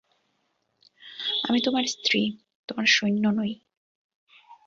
আমি তোমার স্ত্রী, তোমার সৈন্য নই।